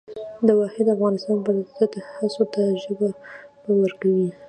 د واحد افغانستان پر ضد هڅو ته ژبه ورکوي.